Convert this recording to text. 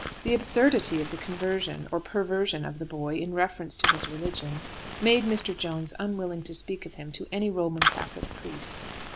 The absurdity of the conversion, or perversion, of the boy, in reference to his religion, made Mr. Jones unwilling to speak of him to any Roman Catholic priest.